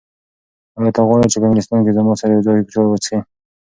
ایا ته غواړې چې په انګلستان کې زما سره یو ځای چای وڅښې؟